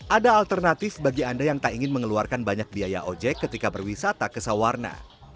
ada alternatif bagi anda yang tak ingin mengeluarkan banyak biaya ojek ketika berwisata ke sawarna